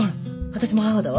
私も母だわ。